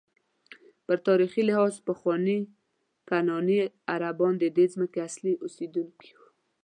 په تاریخي لحاظ پخواني کنعاني عربان ددې ځمکې اصلي اوسېدونکي وو.